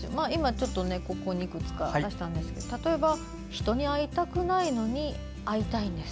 ここにいくつか出したんですが例えば、人に会いたくないのに会いたいんです。